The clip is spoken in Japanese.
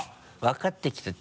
分かってきた。